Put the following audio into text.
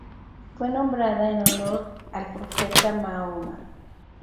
Fue nombrada en honor al profeta Mahoma.